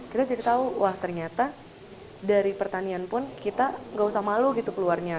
kita jadi tahu wah ternyata dari pertanian pun kita nggak usah malu gitu keluarnya